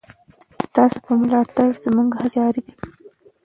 ستاسو په ملاتړ زموږ هڅې جاري دي.